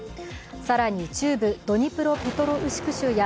更に、中部ドニプロペトロウシク州や